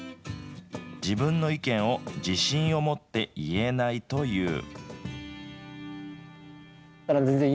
自分の意見を自信を持って言えないという。